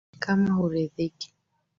na kama huridhiki